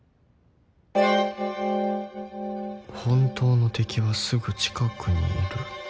「本当の敵はすぐ近くにいる」